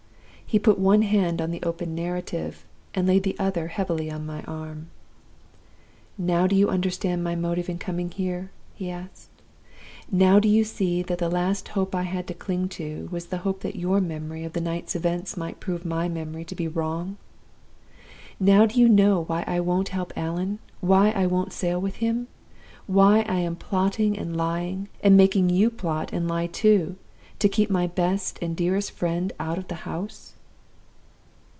"He put one hand on the open narrative and laid the other heavily on my arm. "'Now do you understand my motive in coming here?' he asked. 'Now do you see that the last hope I had to cling to was the hope that your memory of the night's events might prove my memory to be wrong? Now do you know why I won't help Allan? Why I won't sail with him? Why I am plotting and lying, and making you plot and lie too, to keep my best and dearest friend out of the house?